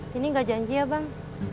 kini nggak janji ya bang